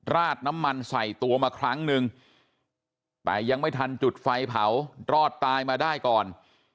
ราดน้ำมันใส่ตัวมาครั้งนึงแต่ยังไม่ทันจุดไฟเผารอดตายมาได้ก่อน